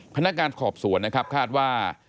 พนักงานสอบสวนนะครับคาดว่า